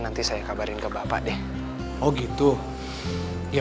nanti saya kabarin ke bapak deh oh gitu ya